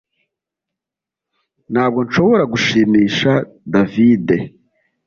Ntabwo nshobora gushimisha David